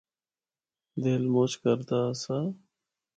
دل مُچ کردا آسا۔